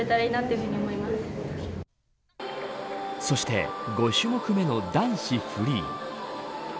そして５種目目の男子フリー。